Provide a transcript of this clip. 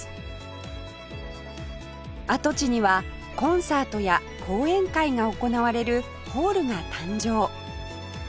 跡地にはコンサートや講演会が行われるホールが誕生